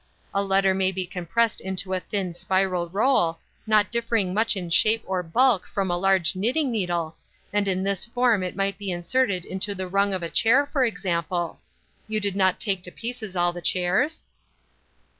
A letter may be compressed into a thin spiral roll, not differing much in shape or bulk from a large knitting needle, and in this form it might be inserted into the rung of a chair, for example. You did not take to pieces all the chairs?"